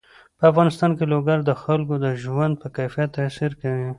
په افغانستان کې لوگر د خلکو د ژوند په کیفیت تاثیر کوي.